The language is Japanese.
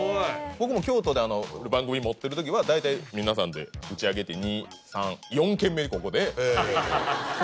僕も京都で番組持ってる時は大体皆さんで打ち上げ行って２・３。